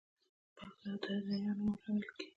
بلخ ته «د ادیانو مور» ویل کېږي